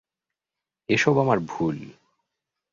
এসব আমার ভুল।